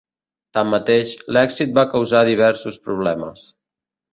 Tanmateix, l'èxit va causar diversos problemes.